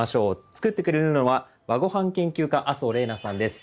作ってくれるのは和ごはん研究家麻生怜菜さんです。